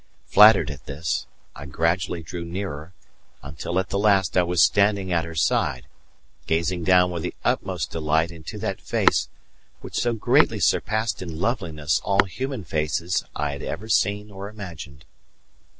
Flattered at this, I gradually drew nearer until at the last I was standing at her side, gazing down with the utmost delight into that face which so greatly surpassed in loveliness all human faces I had ever seen or imagined.